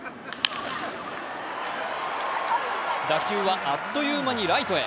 打球はあっという間にライトへ。